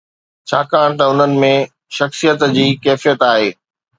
ڇاڪاڻ ته انهن ۾ شخصيت جي ڪيفيت آهي.